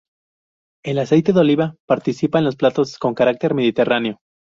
El aceite de oliva participa en los platos con carácter mediterráneo.